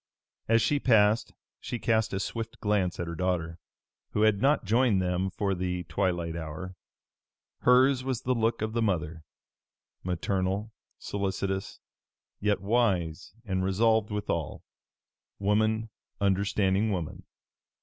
As she passed she cast a swift glance at her daughter, who had not joined them for the twilight hour. Hers was the look of the mother maternal, solicitious, yet wise and resolved withal; woman understanding woman.